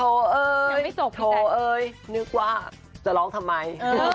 โถ่เอ้ยโถ่เอ้ยโถ่เอ้ยโถ่เอ้ยนึกว่าจะร้องทำไม